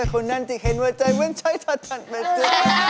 คนนั้นที่เห็นว่าใจเว้นใช้เธอทันเมตร